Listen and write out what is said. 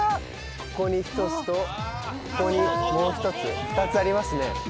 ここに１つとここにもう１つ２つありますね